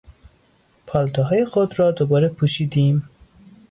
پالتوهای خود را دوباره پوشیدیم.